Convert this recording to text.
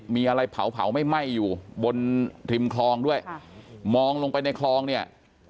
มีอะไรเผาไม่ไหม้อยู่บนริมคลองด้วยมองลงไปในคลองเนี่ย